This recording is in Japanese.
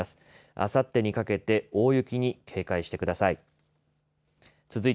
あさってにかけて大雪に警戒してください。